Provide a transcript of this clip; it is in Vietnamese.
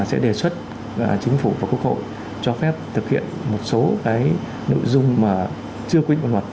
sẽ đề xuất chính phủ và quốc hội cho phép thực hiện một số cái nội dung mà chưa quy định của luật